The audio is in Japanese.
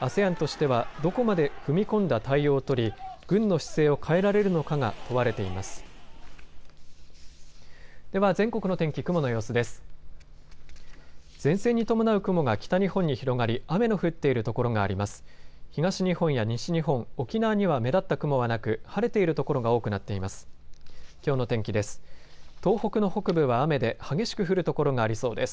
東日本や西日本、沖縄には目立った雲はなく晴れている所が多くなっています。